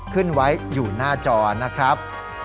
ขึ้นไว้อยู่หน้าจอนะครับ